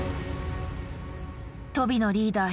とびのリーダー